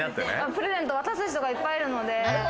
プレゼントを渡す人がいっぱいいるので。